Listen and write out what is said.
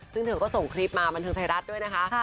ซึ่งเธอก็ส่งคลิปมาบันเทิงไทยรัฐด้วยนะคะ